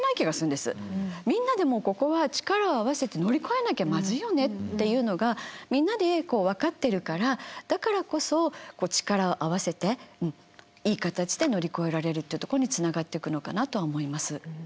みんなでもうここは力を合わせて乗り越えなきゃまずいよねっていうのがみんなで分かってるからだからこそ力を合わせていい形で乗り越えられるっていうとこにつながっていくのかなとは思います。